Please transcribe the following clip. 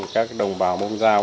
các đồng bào mông rau